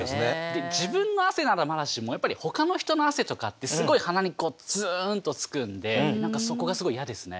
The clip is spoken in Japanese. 自分の汗ならまだしもやっぱりほかの人の汗とかってすごい鼻にツンとつくんでそこがすごい嫌ですね。